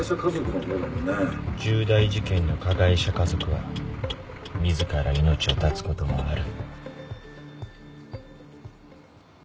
重大事件の加害者家族は自ら命を絶つこともある。